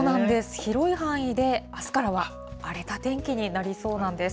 広い範囲であすからは荒れた天気になりそうなんです。